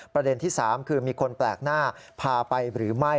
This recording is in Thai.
ประเด็นที่๓คือมีคนแปลกหน้าพาไปหรือไม่